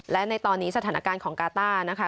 และในตอนนี้สถานการณ์ของกาต้านะคะ